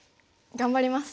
頑張ります！